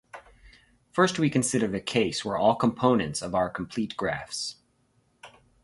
First we consider the case where all components of are complete graphs.